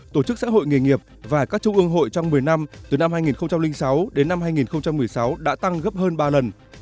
tổ chức xã hội nghề nghiệp và các trung ương hội trong một mươi năm từ năm hai nghìn sáu đến năm hai nghìn một mươi sáu đã tăng gấp hơn ba lần